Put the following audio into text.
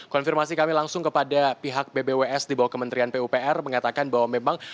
konfirmasi kami langsung kepada pihak bbws di bawah kementerian pupr mengatakan bahwa memang